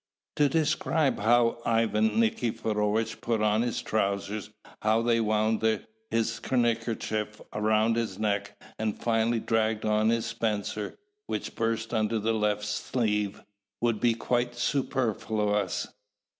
To describe how Ivan Nikiforovitch put on his trousers, how they wound his neckerchief about his neck, and finally dragged on his spencer, which burst under the left sleeve, would be quite superfluous.